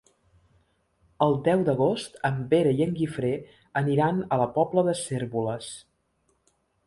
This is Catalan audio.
El deu d'agost en Pere i en Guifré aniran a la Pobla de Cérvoles.